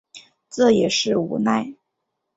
这也是无奈